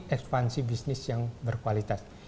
ekspansi bisnis yang berkualitas